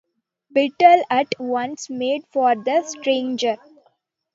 Biddle at once made for the stranger.